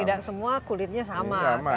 tidak semua kulitnya sama